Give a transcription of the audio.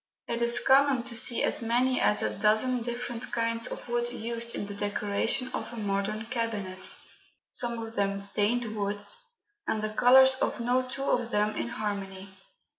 It is common to see as many as a dozen different kinds of wood used in the decoration of a modern cabinet some of them stained woods, and the colours of no two of them in harmony.